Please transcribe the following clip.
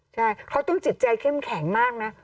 ใช่เขาต้องจิตใจเข้มแข็งมากนะ